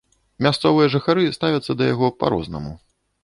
Мясцовыя жыхары ставяцца да яго па-рознаму.